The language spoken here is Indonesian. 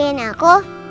udah jagain aku